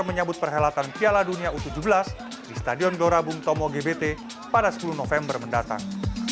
menyambut perhelatan piala dunia u tujuh belas di stadion gelora bung tomo gbt pada sepuluh november mendatang